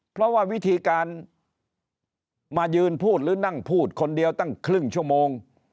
เพราะว่าวิธีการมายืนพูดหรือนั่งพูดคนเดียวตั้งครึ่งชั่วโมง